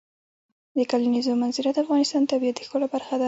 د کلیزو منظره د افغانستان د طبیعت د ښکلا برخه ده.